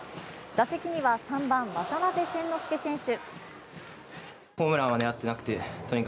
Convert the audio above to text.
打席には３番渡邉千之亮選手。